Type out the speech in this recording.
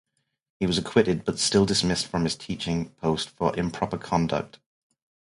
He was acquitted, but still dismissed from his teaching post for "improper conduct".